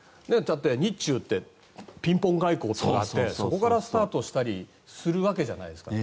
日中ってピンポン外交っていうのがあってそこからスタートしたりするわけじゃないですか。